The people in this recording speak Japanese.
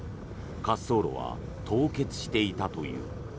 滑走路は凍結していたという。